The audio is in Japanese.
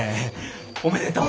おめでとう。